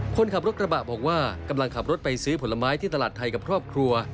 คนขับรถกระบะบอกว่ากำลังขับรถไปซื้อผลไม้ที่ตลาดไทยกับครอบครัว